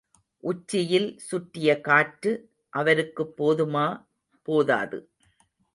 உச்சியில் சுற்றிய காற்று அவருக்குப் போதுமா... போதாது.